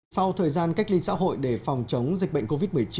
sau thời gian cách ly xã hội để phòng chống dịch bệnh covid một mươi chín